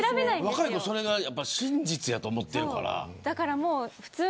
若い子はそれが真実だと思ってるから。